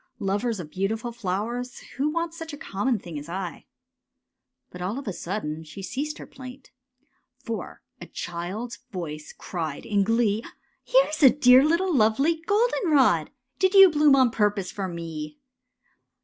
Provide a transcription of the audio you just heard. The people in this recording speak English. Lovers of beautiful flowers, who wants Such a conmion thing as I? " But all of a sudden she ceased her plaint, For a child's voice cried in glee, ^' Here's a dear little lovely goldenrod! Did you bloom on purpose for me?